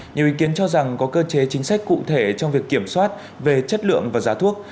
nhiều ý kiến cho rằng có cơ chế chính sách cụ thể trong việc kiểm soát về chất lượng và giá thuốc